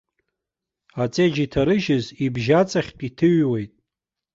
Аҵеџь иҭарыжьыз ибжьы аҵахьтә иҭыҩуеит.